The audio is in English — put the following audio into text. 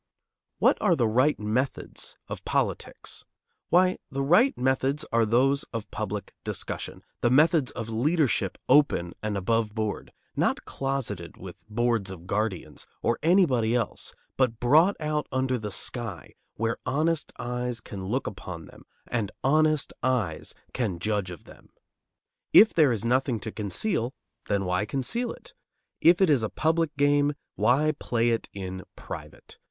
What are the right methods of politics? Why, the right methods are those of public discussion: the methods of leadership open and above board, not closeted with "boards of guardians" or anybody else, but brought out under the sky, where honest eyes can look upon them and honest eyes can judge of them. If there is nothing to conceal, then why conceal it? If it is a public game, why play it in private?